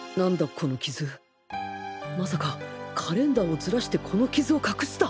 このキズまさかカレンダーをずらしてこのキズを隠した？